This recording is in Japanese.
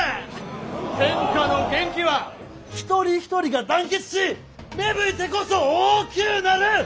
天下の元気は一人一人が団結し芽吹いてこそ大きゅうなる！